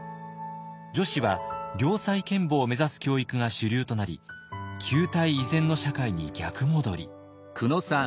女子は良妻賢母を目指す教育が主流となり旧態依然の社会に逆戻り。